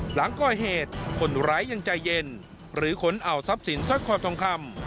หลังก่อเหตุคนร้ายยังใจเย็นหรือขนเอาทรัพย์สินซักคอบทองคำ